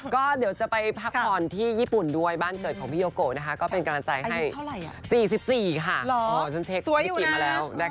ก็เดี๋ยวจะไปพักผ่อนที่ญี่ปุ่นด้วยบ้านเกิดของพี่โยกกก็เป็นการเงินคหลาย